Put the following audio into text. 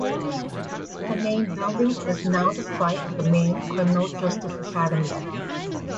The main building is now the site of the Maine Criminal Justice Academy.